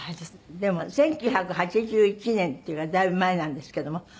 でも１９８１年っていうだいぶ前なんですけども。